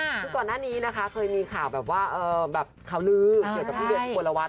ซึ่งก่อนหน้านี้นะคะเคยมีข่าวแบบว่าเขาลืมเกี่ยวกับพี่เวียกบัวละวัด